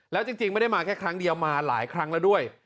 แล้วจริงไม่ได้มาแค่ครั้งเดียวมาหลายครั้งแล้วด้วย